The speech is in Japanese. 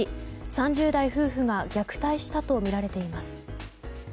３０代夫婦が虐待したとみられています。